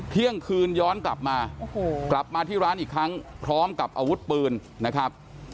เที่ยงคืนย้อนกลับมากลับมาที่ร้านอีกครั้งพร้อมกับอาวุธปืนนะครับ